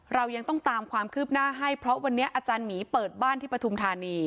เรายังต้องตามความคืบหน้าให้เพราะวันนี้อาจารย์หมีเปิดบ้านที่ปฐุมธานี